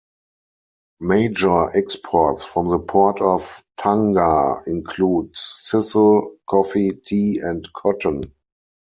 Major exports from the port of Tanga include sisal, coffee, tea, and cotton.